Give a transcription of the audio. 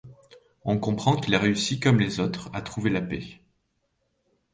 On comprend qu'il a réussi, comme les autres, à trouver la paix.